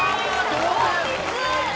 同率。